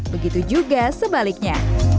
begitu juga sebaliknya